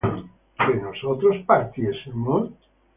¿que nosotros partiésemos?